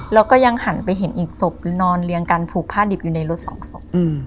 แล้วก็ยังหันไปเห็นอีกศพหรือนอนเรียงกันผูกผ้าดิบอยู่ในรถสองศพ